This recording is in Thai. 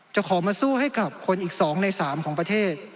ขอมาสู้ให้กับคนอีก๒ใน๓ของประเทศ